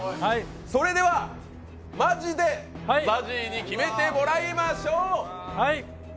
それではマジでＺＡＺＹに決めてもらいましょう。